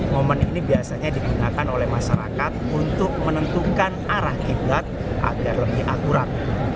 momen ini biasanya digunakan oleh masyarakat untuk menentukan arah qiblat agar lebih akurat